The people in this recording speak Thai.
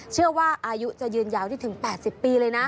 เชื่อว่าอายุจะยืนยาวได้ถึง๘๐ปีเลยนะ